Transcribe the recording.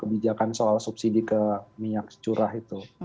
kebijakan soal subsidi ke minyak curah itu